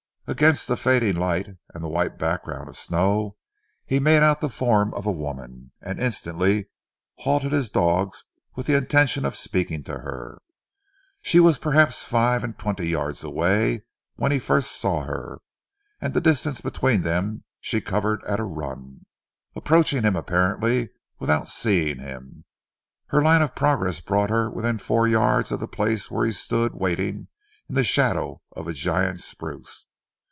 Against the fading light and the white background of snow he made out the form of a woman, and instantly halted his dogs with the intention of speaking to her. She was perhaps five and twenty yards away when he first saw her, and the distance between them she covered at a run, approaching him apparently without seeing him. Her line of progression brought her within four yards of the place where he stood waiting in the shadow of a giant spruce.